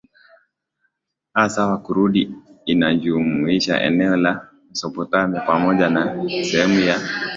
hasa Wakurdi Inajumlisha eneo la Mesopotamia pamoja na sehemu ya